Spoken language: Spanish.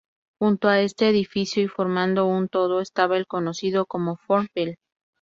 Junto a este edificio y formando un todo estaba el conocido como "forn vell".